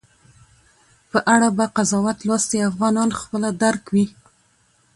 په اړه به قضاوت لوستي افغانان خپله درک وي